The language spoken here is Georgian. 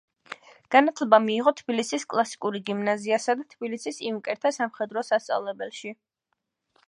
განათლება მიიღო თბილისის კლასიკური გიმნაზიასა და თბილისის იუნკერთა სამხედრო სასწავლებელში.